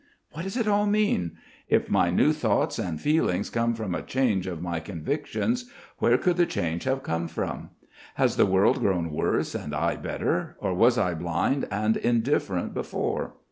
What does it all mean? If my new thoughts and feelings come from a change of my convictions, where could the change have come from? Has the world grown worse and I better, or was I blind and indifferent before?